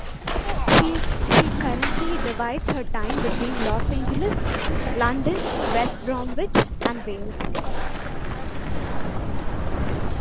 She currently divides her time between Los Angeles, London, West Bromwich and Wales.